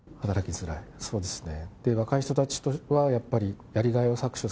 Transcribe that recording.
そうですね。